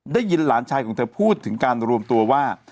ได้ยินหลานชายของเธอพูดถึงการรวมตัวว่า